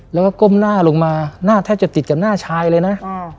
แล้วก็ก้มหน้าลงมาหน้าแทบจะติดกับหน้าชายเลยนะ